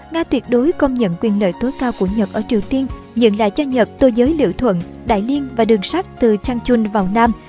nga tuyệt đối công nhận quyền lợi tối cao của nhật ở triều tiên nhận lại cho nhật tô giới lựa thuận đại liên và đường sắt từ changchun vào nam